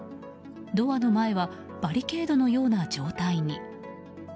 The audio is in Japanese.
ドアの前はバリケードのような状態に。